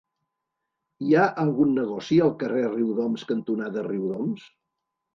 Hi ha algun negoci al carrer Riudoms cantonada Riudoms?